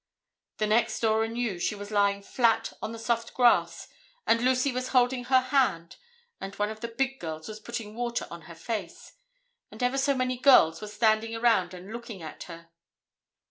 The next Dora knew she was lying flat on the soft grass and Lucy was holding her hand and one of the big girls was putting water on her face. And ever so many girls were standing around and looking at her.